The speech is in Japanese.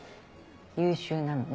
優秀なのね。